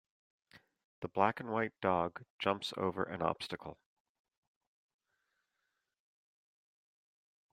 The black and white dog jumps over an obstacle.